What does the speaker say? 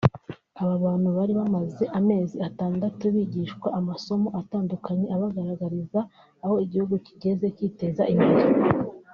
Aba bantu bari bamaze amezi atandatu bigishwa amasomo atandukanye abagaragariza aho igihugu cyigeze cyiteza imbere